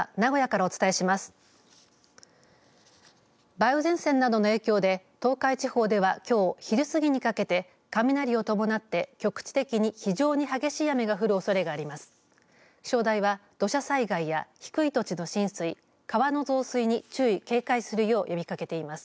梅雨前線などの影響で東海地方では、きょう昼すぎにかけて雷を伴って局地的に非常に激しい雨が降るおそれがあります。